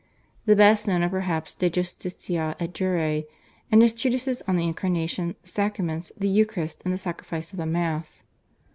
The best known are perhaps /De Justitia et Jure/ and his treatises on the Incarnation, the Sacraments, the Eucharist, and the Sacrifice of the Mass.